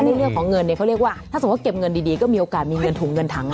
ในเรื่องของเงินเนี่ยเขาเรียกว่าถ้าสมมุติเก็บเงินดีก็มีโอกาสมีเงินถุงเงินถัง